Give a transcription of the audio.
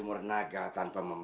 saya gak ada uang